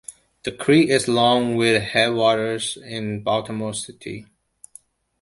The creek is long, with headwaters in Baltimore City.